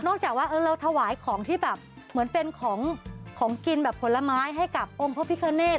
จากว่าเราถวายของที่แบบเหมือนเป็นของของกินแบบผลไม้ให้กับองค์พระพิคเนต